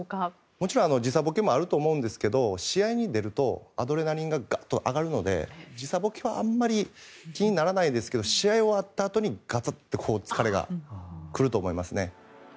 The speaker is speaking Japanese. もちろん時差ボケもあると思うんですけど試合に出るとアドレナリンがガッと上がるので時差ボケはあまり気にならないですけど試合が終わったあとにがっと疲れが来ると思います。